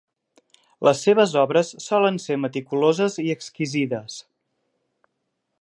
Les seves obres solen ser meticuloses i exquisides.